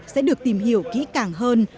sẽ được tìm hiểu kỹ càng hơn